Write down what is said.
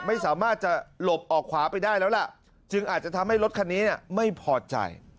ไม่สามารถจะหลบออกขวาไปได้แล้วล่ะจึงอาจจะทำให้รถคันนี้ไม่พอใจ